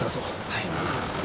はい。